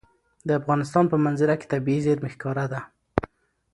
د افغانستان په منظره کې طبیعي زیرمې ښکاره ده.